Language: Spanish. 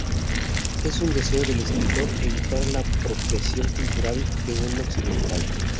Es un deseo del escritor evitar la apropiación cultural de un occidental.